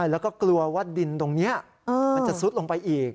แล้วก็กลัวว่าดินตรงนี้มันจะซุดลงไปอีก